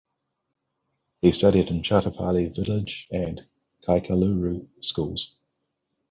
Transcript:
He studied in Choutapally village and Kaikaluru schools.